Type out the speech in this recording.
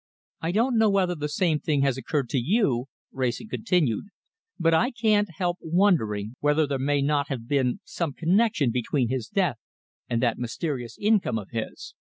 "I don't know whether the same thing has occurred to you," Wrayson continued, "but I can't help wondering whether there may not have been some connection between his death and that mysterious income of his."